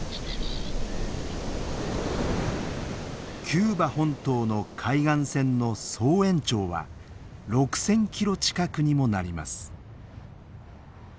キューバ本島の海岸線の総延長は６，０００キロ近くにもなります。